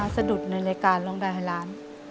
สะดุดในรายการรองดายไฮร้าน